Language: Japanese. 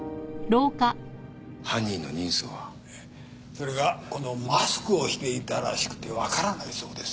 それがこのマスクをしていたらしくて分からないそうです。